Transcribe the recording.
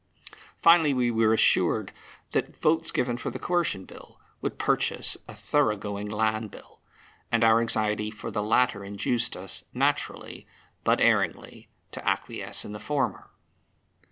Finally, we were assured that votes given for the Coercion Bill would purchase a thorough going Land Bill, and our anxiety for the latter induced us, naturally, but erringly, to acquiesce in the former.